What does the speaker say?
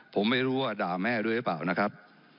ผมไม่รู้ว่าด่าแม่ด้วยหรือเปล่านะครับ